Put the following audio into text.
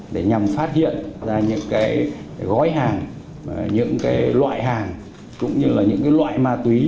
để nhằm phát hiện ra những cái gói hàng những cái loại hàng cũng như là những cái loại ma túy